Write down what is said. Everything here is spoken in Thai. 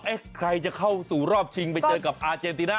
ใครจะเข้าสู่รอบชิงไปเจอกับอาเจนติน่า